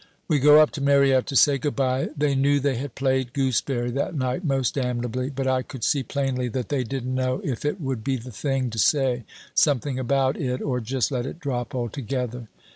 "We go up to Mariette to say good by. They knew they had played gooseberry that night most damnably, but I could see plainly that they didn't know if it would be the thing to say something about it or just let it drop altogether.